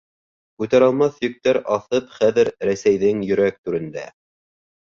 Күтәралмаҫ йөктәр аҫып хәҙер Рәсәйҙең йөрәк түрендә.